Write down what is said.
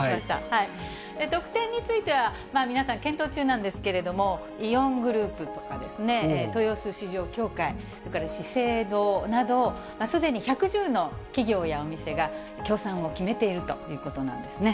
特典については、皆さん、検討中なんですけれども、イオングループとか豊洲市場協会、それから資生堂など、すでに１１０の企業やお店が協賛を決めているということなんです